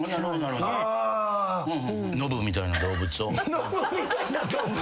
ノブみたいな動物。